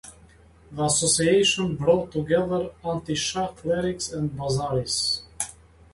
The association brought together anti-Shah clerics and "bazaaris".